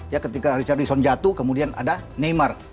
ya ketika richarlison jatuh kemudian ada neymar